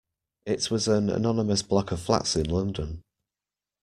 It was an anonymous block of flats in London